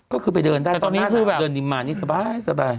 ก็คือไปเดินได้รถก็คือแบบเกิดกับดิมมานี่สบาย